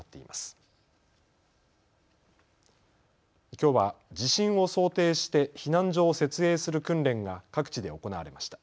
きょうは地震を想定して避難所を設営する訓練が各地で行われました。